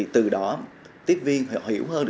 từ đó tiếp viên hiểu hơn